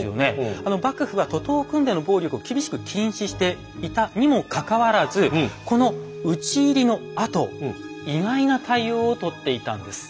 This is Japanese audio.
あの幕府は徒党を組んでの暴力を厳しく禁止していたにもかかわらずこの討ち入りのあと意外な対応をとっていたんです。